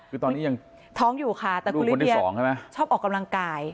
คือตอนนี้ยังท้องอยู่ค่ะแต่คุณฤดียะชอบออกกำลังกาย